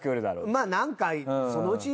まぁなんか。